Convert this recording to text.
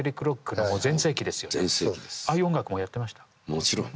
もちろん。